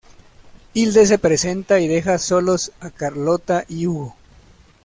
Hilde se presenta y deja solos a Carlotta y Hugo.